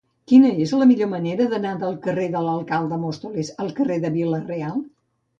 Quina és la millor manera d'anar del carrer de l'Alcalde de Móstoles al carrer de Vila-real?